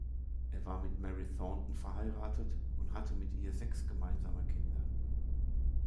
Er war mit Mary Thornton verheiratet und hatte mit ihr sechs gemeinsame Kinder.